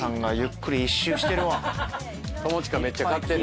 友近めっちゃ買ってる。